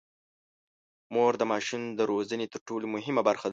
مور د ماشوم د روزنې تر ټولو مهمه برخه ده.